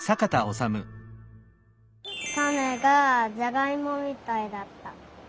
たねがじゃがいもみたいだった。